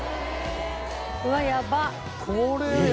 うわやばっ！